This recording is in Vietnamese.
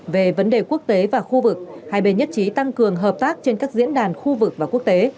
về vấn đề quốc tế và khu vực hai bên nhất trí tăng cường hợp tác trên các diễn đàn khu vực và quốc tế